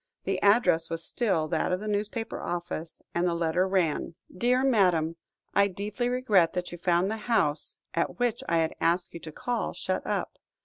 The address was still that of the newspaper office, and the letter ran "DEAR MADAM, "I deeply regret that you found the house, at which I had asked you to call, shut up.